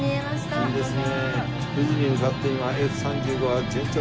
いいですね。